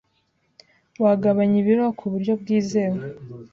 wagabanya ibiro ku buryo bwizewe